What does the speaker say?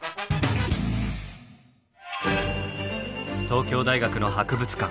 東京大学の博物館。